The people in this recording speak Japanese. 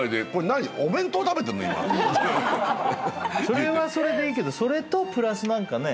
それはそれでいいけどそれとプラス何かね。